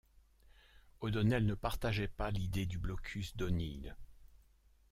O'Donnell ne partageait pas l'idée du blocus d'O'Neill.